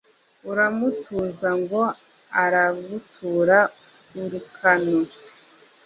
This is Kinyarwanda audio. uramutuza ngo araguture urukano